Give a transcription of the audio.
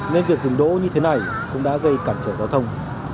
nên việc dừng đỗ như thế này cũng đã gây cản trở giao thông